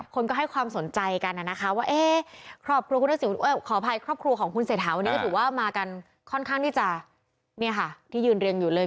คนก็ให้ความสนใจกันนะนะคะว่าขออภัยครอบครัวของคุณเศรษฐธาวันนี้ถือว่ามากันค่อนข้างที่ยืนเรียงอยู่เลย